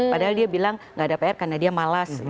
padahal dia bilang gak ada pr karena dia malas